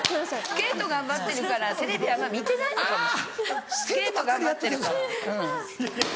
スケート頑張ってるからテレビあんま見てないのかもスケート頑張ってるから。